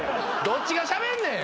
どっちがしゃべんねん！